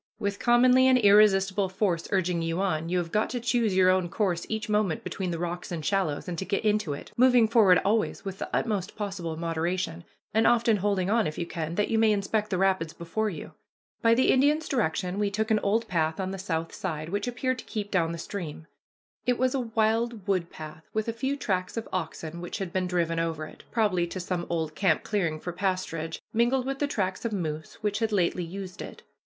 With commonly an irresistible force urging you on, you have got to choose your own course each moment between the rocks and shallows, and to get into it, moving forward always with the utmost possible moderation, and often holding on, if you can, that you may inspect the rapids before you. By the Indian's direction we took an old path on the south side, which appeared to keep down the stream. It was a wild wood path, with a few tracks of oxen which had been driven over it, probably to some old camp clearing for pasturage, mingled with the tracks of moose which had lately used it.